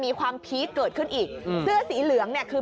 ระหว่างเมียสี่เดี๋ยวลองดูหน่อยค่ะ